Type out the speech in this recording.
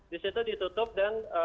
disitu ditutup dan